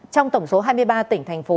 trong tổng số hai mươi ba tỉnh thành phố